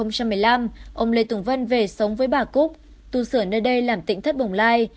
năm hai nghìn một mươi năm ông lê tùng vân về sống với bà cúc tu sửa nơi đây làm tỉnh thất bồng lai